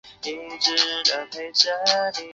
出生于美国马里兰州巴尔的摩。